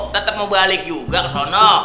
tetap mau balik juga ke sana